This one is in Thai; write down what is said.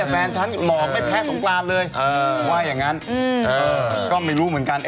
แฟนฉันหลอกไม่แพ้สงกรานเลยก็ไม่รู้เหมือนกัน